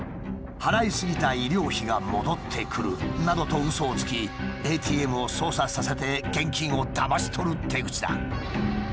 「払いすぎた医療費が戻ってくる」などとうそをつきＡＴＭを操作させて現金をだまし取る手口だ。